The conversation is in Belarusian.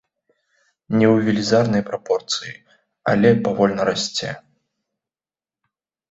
Не ў велізарнай прапорцыі, але павольна расце.